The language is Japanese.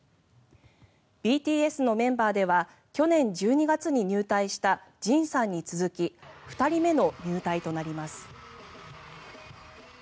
ＢＴＳのメンバーでは去年１２月に入隊したＪＩＮさんに続き２人目の入隊となります。